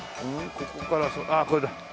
ここからあっこれだ。